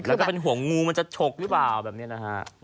แล้วก็เป็นห่วงงูมันจะฉกหรือเปล่าแบบนี้นะฮะ